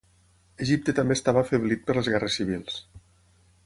Egipte també estava afeblit per les guerres civils.